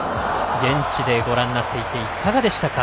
現地でご覧になっていていかがでしたか？